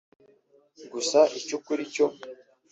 Gusa icy’ukuri cyo